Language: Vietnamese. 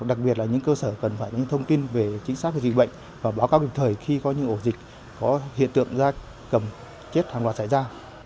đặc biệt là những cơ sở cần phải có những thông tin về chính xác về dịch bệnh và báo cáo kịp thời khi có những ổ dịch có hiện tượng da cầm chết hàng loạt xảy ra